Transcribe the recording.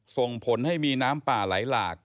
ส่งผลให้มีน้ำป่าไหลหลาก